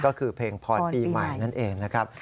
ก็คือเพลงพรปีใหม่นั่นเองนะครับ